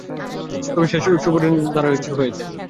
তবে শেষ শুভ পরিণতি মুত্তাকীদের জন্যেই।